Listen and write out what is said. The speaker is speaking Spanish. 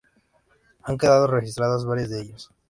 Han quedado registradas varias de ellas.